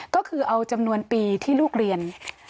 ก็คือเอาจำนวนปีที่ลูกเรียน